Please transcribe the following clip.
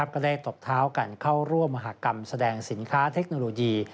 ก็ได้ตบเท้ากันเข้าร่วมมหากรรมแสดงสินค้าเทคโนโลยี